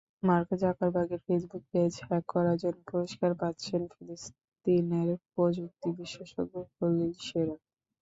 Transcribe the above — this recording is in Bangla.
মার্ক জাকারবার্গের ফেসবুক পেজ হ্যাক করার জন্য পুরস্কার পাচ্ছেন ফিলিস্তিনের প্রযুক্তি-বিশেষজ্ঞ খলিল শেরাত।